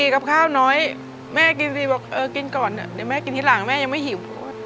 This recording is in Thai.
กับข้าวน้อยแม่กินที่ก่อนแม่กินที่หลังแม่ยังไม่หิว